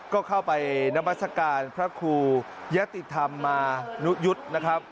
ก็เข้าไปนามัศกาลพระครูยะติธรรมมานุยุทธ์นะครับ